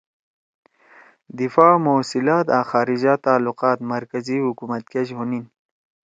دفاع، موصلات آں خارجہ تعلقات مرکزی حکوت کیش ہونیِن